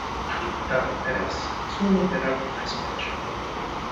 Di limitato interesse solo per alcune specie.